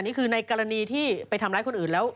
นี่คือในกรณีที่ไปทำร้ายคนอื่นแล้ว